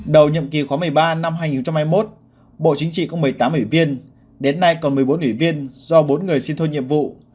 đầu nhậm kỳ khóa một mươi ba năm hai nghìn hai mươi một bộ chính trị có một mươi tám ủy viên đến nay còn một mươi bốn ủy viên do bốn người xin thôi nhiệm vụ